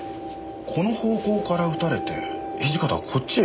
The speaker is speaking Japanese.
この方向から撃たれて土方はこっちへ動いた。